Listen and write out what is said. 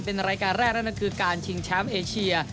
เป็นรายการแรกนั่นคือการชิงแชมป์เอเชีย